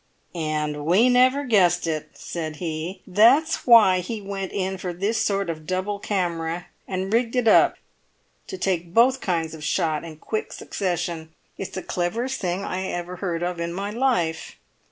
"And we never guessed it!" said he. "That's why he went in for this sort of double camera, and rigged it up to take both kinds of shot in quick succession. It's the cleverest thing I ever heard of in my life."